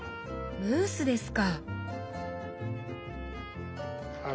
ムースですか！